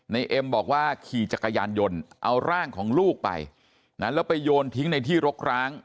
เอ็มบอกว่าขี่จักรยานยนต์เอาร่างของลูกไปแล้วไปโยนทิ้งในที่รกร้าง